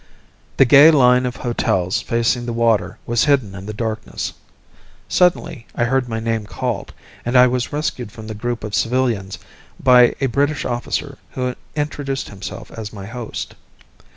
The gay line of hotels facing the water was hidden in the darkness. Suddenly I heard my name called, and I was rescued from the group of civilians by a British officer who introduced himself as my host.